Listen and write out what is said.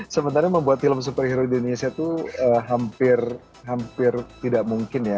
sementara membuat film superhero di indonesia itu hampir tidak mungkin ya